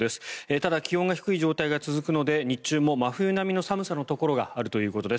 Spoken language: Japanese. ただ、気温が低い状態が続くので日中も真冬並みの寒さのところがあるということです。